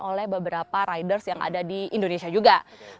oleh beberapa riders yang ada di indonesia juga